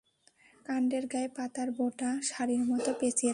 কাণ্ডের গায়ে পাতার বোঁটা শাড়ির মতো পেঁচিয়ে থাকে।